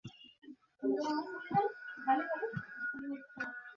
তার বাবা খুব অসুস্থ এবং গুরুতর রোগে ভুগছেন, কয়েক মাসের মধ্যেই মারা যাবেন।